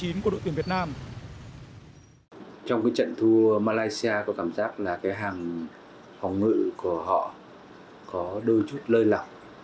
trong trận thua malaysia có cảm giác là hàng hóng ngự của họ có đôi chút lơi lọc